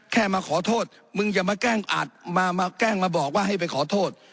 แค่มาขอโทษมึงอย่ามาแกล้งอัดมาแกล้งมาบอกว่าให้ไปขอโทษ